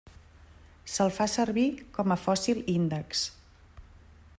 Se'l fa servir com a fòssil índex.